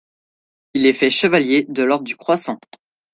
Il est fait chevalier de l'Ordre du Croissant.